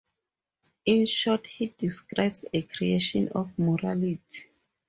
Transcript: In short, he describes a creation of morality.